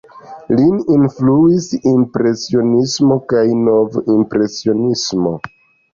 Lin influis Impresionismo kaj Nov-impresionismo.